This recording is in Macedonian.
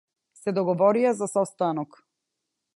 Се договорија за состанок.